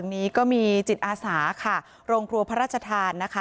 วันนี้ก็มีจิตอาสาค่ะโรงครัวพระราชทานนะคะ